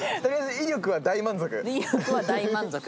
威力は大満足。